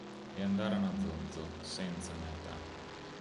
E andarono a zonzo, senza meta.